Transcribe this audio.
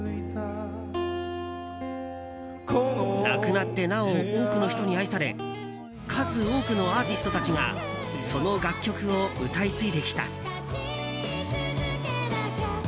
亡くなってなお多くの人に愛され数多くのアーティストたちがその楽曲を歌い継いできた。